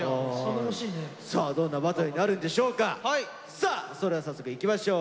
さあそれでは早速いきましょう！